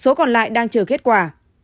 số còn lại đang chờ kết quả